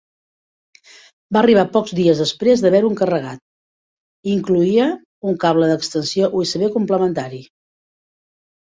Va arribar pocs dies després d'haver-ho encarregat i incloïa un cable d'extensió USB complementari.